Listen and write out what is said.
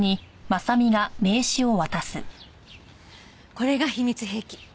これが秘密兵器。